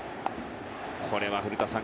これは古田さん